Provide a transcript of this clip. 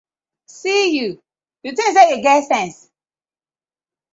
See yu, yu tink say yu get sence.